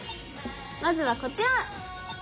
まずはこちら！